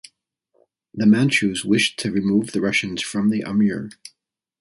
The Manchus wished to remove the Russians from the Amur.